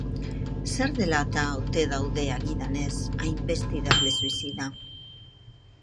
Zer dela eta ote daude, agidanez, hainbeste idazle suizida?